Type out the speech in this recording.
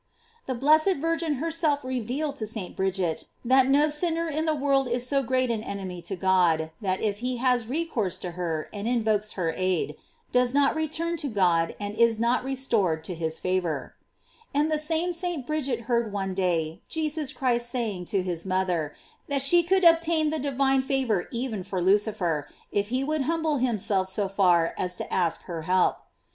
* The blessed Virgin herself revealed to St. Bridget, that no sinner in the world is so great an enemy to God, that if he has recourse to her and invokes her aid, does not return to God and is not restored to his favor, f And the same St. Bridget heard one day Jesus Christ saying to his mother, that she could obtain the di vine favor even for Lucifer, if he would humble himself so far as to ask her help.